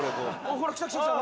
「ほら来た来た来た！」